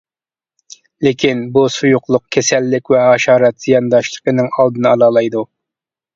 لېكىن، بۇ سۇيۇقلۇق كېسەللىك ۋە ھاشارات زىيانداشلىقىنىڭ ئالدىنى ئالالايدۇ.